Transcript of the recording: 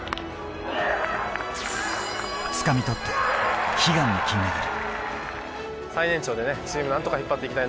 つかみとった悲願の金メダル。